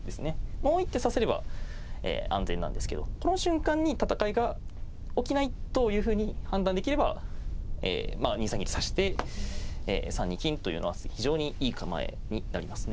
もう一手指せれば安全なんですけどこの瞬間に戦いが起きないというふうに判断できれば２三銀と指して３二金というのは非常にいい構えになりますね。